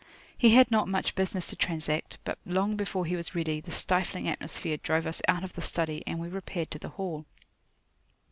He had not much business to transact; but long before he was ready, the stifling atmosphere drove us out of the study, and we repaired to the hall.